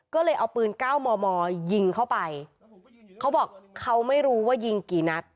ก็เลยเอาปืนเก้ามอมอยิงเข้าไปเขาบอกเขาไม่รู้ว่ายิงกี่นัด